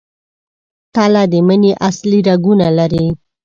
تله د مني اصلي رنګونه لري.